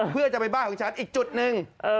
เพื่อจะไปบ้านของฉันอีกจุดหนึ่ง